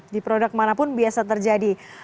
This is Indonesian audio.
di produk manapun biasa terjadi